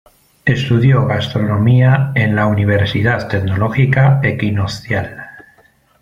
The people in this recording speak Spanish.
Estudió gastronomía en la Universidad Tecnológica Equinoccial.